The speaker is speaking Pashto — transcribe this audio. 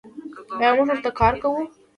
آیا موږ ورته کار کوو؟